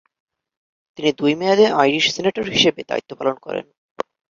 তিনি দুই মেয়াদে আইরিশ সিনেটর হিসেবে দায়িত্ব পালন করেন।